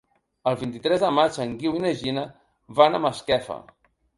El vint-i-tres de maig en Guiu i na Gina van a Masquefa.